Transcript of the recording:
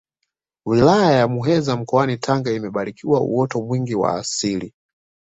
wilaya ya muheza mkoani tanga imebarikiwa uoto mwingi wa asili